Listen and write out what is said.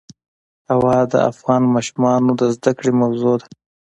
هوا د افغان ماشومانو د زده کړې موضوع ده.